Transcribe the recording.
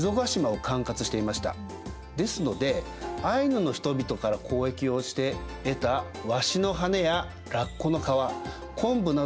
ですのでアイヌの人々から交易をして得たワシの羽根やラッコの皮昆布などを献上していたんです。